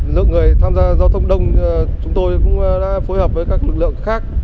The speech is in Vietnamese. lượng người tham gia giao thông đông chúng tôi cũng đã phối hợp với các lực lượng khác